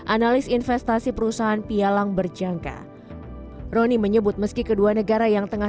analis investasi perusahaan pialang berjangka roni menyebut meski kedua negara yang tengah